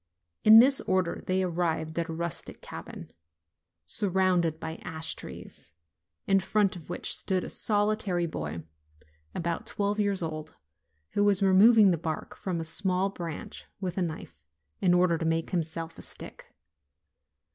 In this order they arrived at a rustic cabin, sur 48 NOVEMBER rounded by ash trees, in front of which stood a solitary boy, about twelve years old, who was removing the bark from a small branch with a knife, in order to make himself a stick.